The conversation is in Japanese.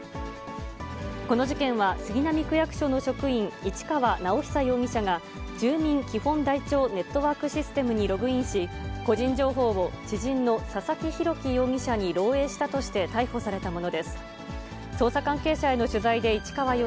この事件は、杉並区役所の職員、市川直央容疑者が、住民基本台帳ネットワークシステムにログインし、個人情報を知人の佐々木ひろき容疑者に漏えいしたとして逮捕されたものです。